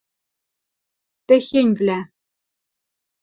техеньвлӓ